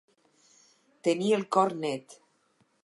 Tenir el cor net.